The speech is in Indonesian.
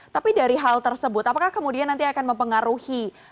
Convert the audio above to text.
tapi dari hal tersebut apakah kemudian nanti akan mempengaruhi